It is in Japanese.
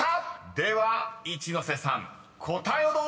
［では一ノ瀬さん答えをどうぞ］